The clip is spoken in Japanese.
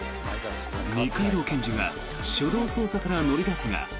二階堂検事が初動捜査から乗り出すが。